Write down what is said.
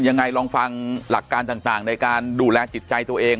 ยังไงลองฟังหลักการต่างในการดูแลจิตใจตัวเอง